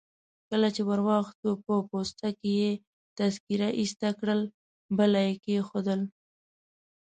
کله چي وروختو په پوسته کي يې تذکیره ایسته کړل، بله يي کښېښول.